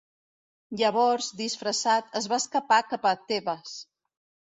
Llavors, disfressat, es va escapar cap a Tebes.